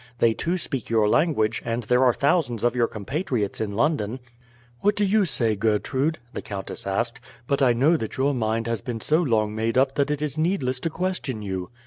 They too speak your language, and there are thousands of your compatriots in London." "What do you say, Gertrude?" the countess asked. "But I know that your mind has been so long made up that it is needless to question you."